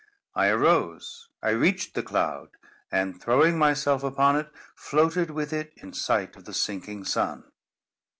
I arose, I reached the cloud; and, throwing myself upon it, floated with it in sight of the sinking sun.